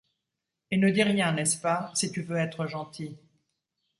Et ne dis rien, n’est-ce pas? si tu veux être gentil.